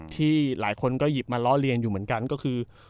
ที่หลายคนก็หยิบมาล้อเลียนอยู่เหมือนกันก็คือ